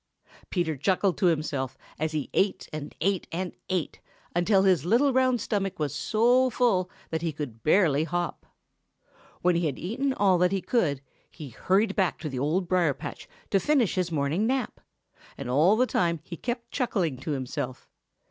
Peter chuckled to himself as he ate and ate and ate, until his little round stomach was so full that he could hardly hop. When he had eaten all that he could, he hurried back to the Old Briar patch to finish his morning nap, and all the time he kept chuckling to himself.